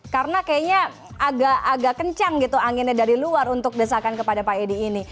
karena kayaknya agak kencang gitu anginnya dari luar untuk desakan kepada pak edi ini